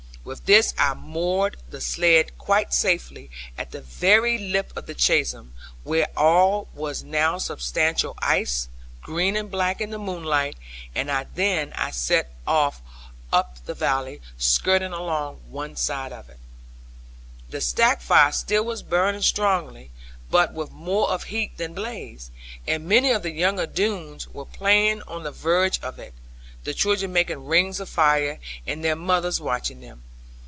With this I moored the sledd quite safe, at the very lip of the chasm, where all was now substantial ice, green and black in the moonlight; and then I set off up the valley, skirting along one side of it. The stack fire still was burning strongly, but with more of heat than blaze; and many of the younger Doones were playing on the verge of it, the children making rings of fire, and their mothers watching them.